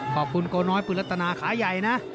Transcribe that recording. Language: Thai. ขอบคุณกโอ้น้อยปึรตนาขาย่ายนะ